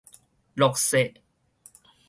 落雪